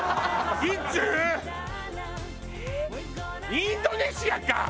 インドネシアか！